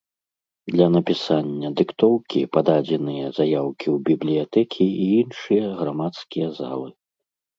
Для напісання дыктоўкі пададзеныя заяўкі ў бібліятэкі і іншыя грамадскія залы.